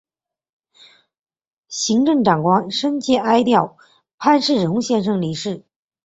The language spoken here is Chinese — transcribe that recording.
行政长官深切哀悼潘汉荣先生离世